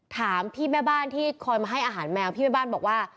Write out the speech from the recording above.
ถามพี่แม่บ้านที่คอยมาให้อาหารแมวพี่แม่บ้านบอกว่า